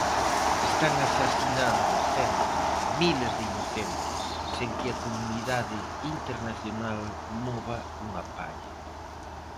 Están asasinando centos, miles de inocentes sen que a comunidade internacional mova unha palla